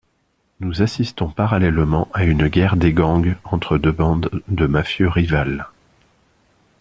Nous assistons parallèlement à une guerre des gangs entre deux bandes de mafieux rivales.